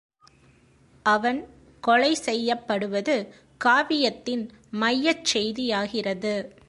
அவன் கொலை செய்யப்படுவது காவியத்தின் மையச் செய்தியாகிறது.